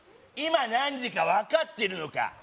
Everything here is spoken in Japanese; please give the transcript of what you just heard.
今何時か分かってるのか？